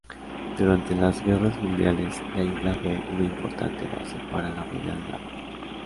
Durante las Guerras Mundiales, la isla fue una importante base para la Royal Navy.